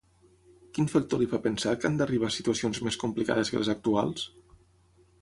Quin factor li fa pensar que han d'arribar situacions més complicades que les actuals?